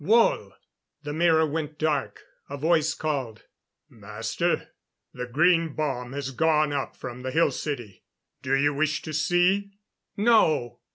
Wohl!" The mirror went dark. A voice called: "Master, the green bomb has gone up from the Hill City! Do you wish to see?" "No....